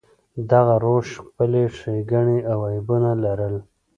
دغه روش خپلې ښېګڼې او عیبونه لرل.